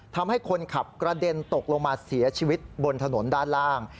ทำให้คนขับกระเด็นตกลงมาเสียชีวิตบนถนนด้านล่าง